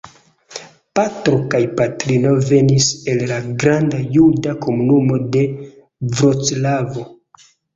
Patro kaj patrino venis el la granda juda komunumo de Vroclavo.